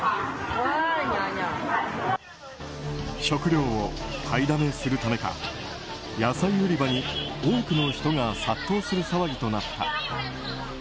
食料を買いだめするためか野菜売り場に多くの人が殺到する騒ぎとなった。